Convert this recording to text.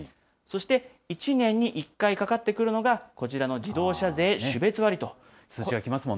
そして１年に１回かかってくるのが、こちらの自動車税、種別割と。